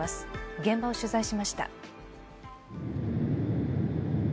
現場を取材しました。